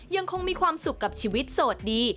ยังคงมีความสุขกับชีวิตโสดดี